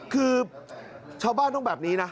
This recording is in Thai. คือชาวบ้านต้องแบบนี้นะ